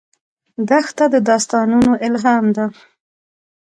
دښته د داستانونو الهام ده.